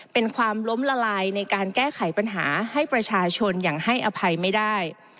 เป็นความล้มละลายในการแก้ไขปัญหาให้ประชาชนอย่างให้อภัยไม่ได้